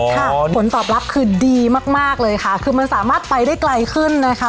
ผลตอบรับคือดีมากมากเลยค่ะคือมันสามารถไปได้ไกลขึ้นนะคะ